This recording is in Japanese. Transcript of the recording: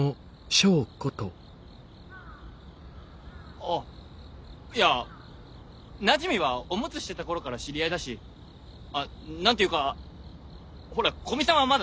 あいやなじみはオムツしてた頃から知り合いだし何て言うかほら古見さんはまだ友達になった